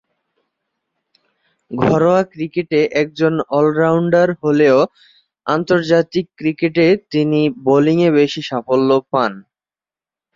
ঘরোয়া ক্রিকেটে একজন অলরাউন্ডার হলেও, আন্তর্জাতিক ক্রিকেটে তিনি বোলিংয়ে বেশি সাফল্য পান।